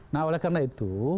nah oleh karena itu